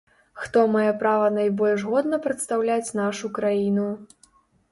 Хто мае права найбольш годна прадстаўляць нашу краіну.